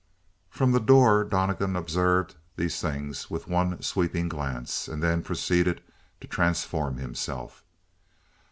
From the door Donnegan observed these things with one sweeping glance, and then proceeded to transform himself.